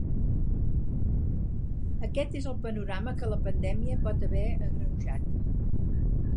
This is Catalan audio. Aquest és el panorama que la pandèmia pot haver agreujat.